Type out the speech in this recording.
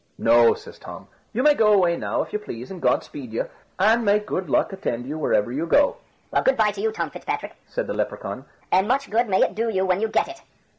"No," says Tom; "you may go away now, if you please, and God speed you, and may good luck attend you wherever you go." "Well, good bye to you, Tom Fitzpatrick," said the Lepracaun; "and much good may it do you when you get it."